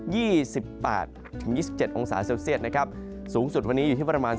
สิบแปดถึงยี่สิบเจ็ดองศาเซลเซียตนะครับสูงสุดวันนี้อยู่ที่ประมาณ